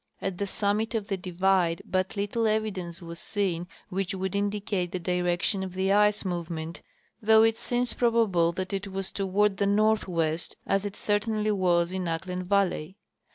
At the summit of the divide but little evidence was seen which would indicate the direction of the ice move ment, though it seems probable that it was toward the north west, as it certainly was in Ahklen valley.